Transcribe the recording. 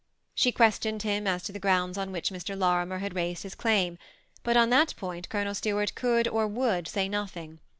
She questioned him as to the grounds on which Mr. Lorimer had raised his claim ; but on that point Ck>lonel Stuart could or would say nothing.